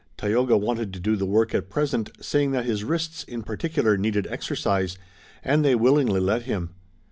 Tayoga wanted to do the work at present, saying that his wrists, in particular, needed exercise, and they willingly let him.